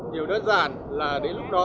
điều đơn giản là đến lúc đó